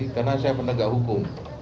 karena saya penegak hukum